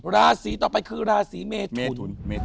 ราศีต่อไปคือราศีเมทุน